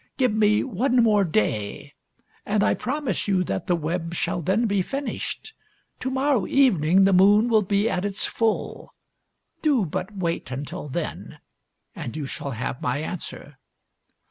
Give me one more day; and I promise you that the web shall then be finished. To morrow evening the moon will be at its full. Do but wait until then, and you shall have my answer."